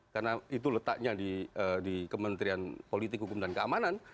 karena itu letaknya di kementerian politik hukum dan keamanan